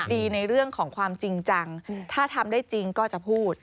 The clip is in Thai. ในเรื่องของความจริงจังถ้าทำได้จริงก็จะพูด